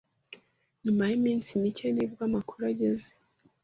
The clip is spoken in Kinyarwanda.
Nyuma yiminsi mike ni bwo amakuru ageze.